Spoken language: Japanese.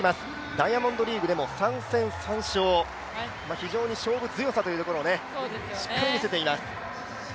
ダイヤモンドリーグで３戦３勝、非常に勝負強さをしっかり見せています。